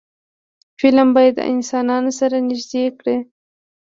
فلم باید انسانان سره نږدې کړي